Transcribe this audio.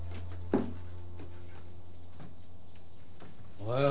おはよう。